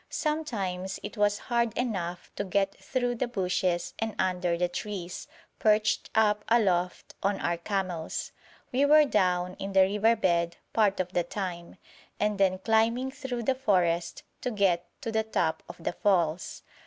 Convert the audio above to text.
Sometimes it was hard enough to get through the bushes and under the trees, perched up aloft on our camels. We were down in the river bed part of the time, and then climbing through the forest to get to the top of the falls.